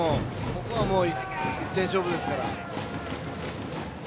ここは１点勝負ですから。